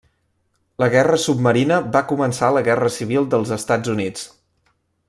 La guerra submarina va començar a la Guerra Civil dels Estats Units.